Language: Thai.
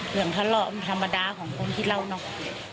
เรื่องทะเลาะมันธรรมดาของคนกินเหล้าเนอะ